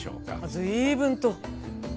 随分と！